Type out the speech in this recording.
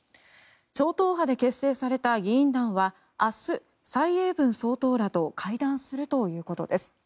超党派で結成された議員団は明日、蔡英文総統らと会談するということです。